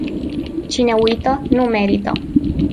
Cine uită, nu merită.